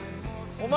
お前。